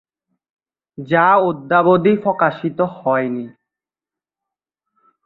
যা অদ্যাবধি প্রকাশিত হয়নি।